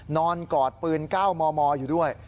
นอนกอดปืนก้าวมออยู่ด้วย